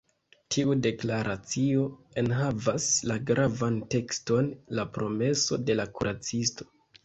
Tiu deklaracio enhavas la gravan tekston “La promeso de la kuracisto”.